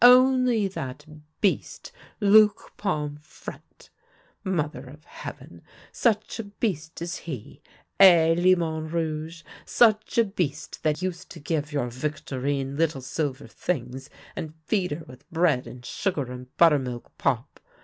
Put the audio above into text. Only that beast Luc Pomfrette ! Mother of heaven ! such a beast is he — eh, Limon Rouge ?— such a beast that used to give THE LITTLE BELL OF HONOUR 113 your Victorine little silver things, and feed her with bread and sugar and buttermilk pop.